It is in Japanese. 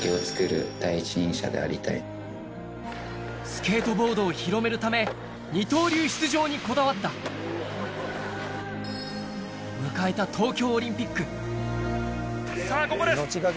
スケートボードを広めるため二刀流出場にこだわった迎えた東京オリンピックさぁここです